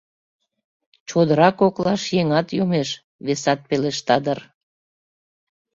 — Чодыра коклаш еҥат йомеш, — весат пелешта дыр.